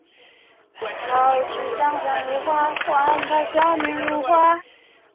此外前往北爱尔兰贝尔法斯特的国际列车企业号也是自这里发车。